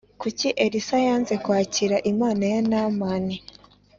Kuki Elisa yanze kwakira impano ya Naamani